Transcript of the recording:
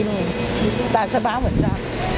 người ta sẽ báo mình sau